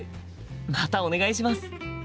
またお願いします。